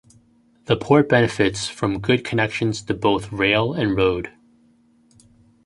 The port benefits from good connections to both rail and road.